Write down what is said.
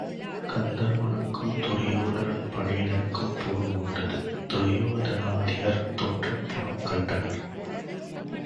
கந்தருவனுக்கும் துரியோதனன் படையினருக்கும் போர் மூண்டது துரியோதனாதியர் தோற்றுப் புறம் கண்டனர்.